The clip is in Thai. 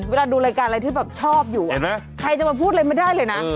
เวลาดูรายการอะไรที่แบบชอบอยู่ใครจะมาพูดอะไรไม่ได้เลยนะ